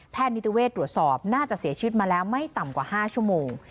นิติเวศตรวจสอบน่าจะเสียชีวิตมาแล้วไม่ต่ำกว่า๕ชั่วโมง